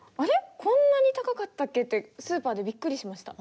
こんなに高かったっけってスーパーでびっくりしました。